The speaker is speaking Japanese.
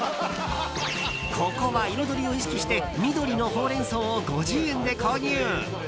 ここは彩りを意識して緑のほうれん草を５０円で購入。